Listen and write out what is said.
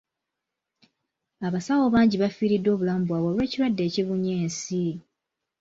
Abasawo bangi bafiiriddwa obulamu bwabwe olw'ekirwadde ekibunye ensi.